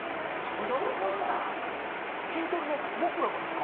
キントリの僕らがですか？